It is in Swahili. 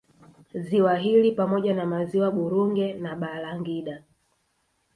Ziwa hili pamoja na Maziwa Burunge na Balangida